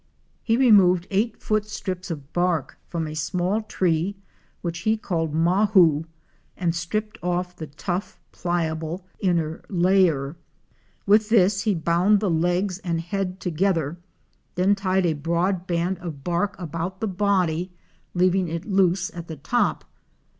He removed eight foot strips of bark from a small tree which he called Mahoo and stripped off the tough pliable inner layer. With this he bound the legs and head together, then tied a broad band of JUNGLE LIFE AT AREMU. 321 bark about the body leaving it loose at the top.